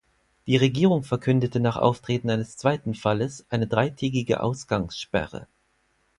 Die Regierung verkündete nach Auftreten eines zweiten Falles eine dreitägige Ausgangssperre.